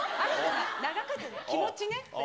長かった、気持ちね。